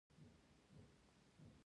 په افغانستان کې اوښ ډېر اهمیت لري.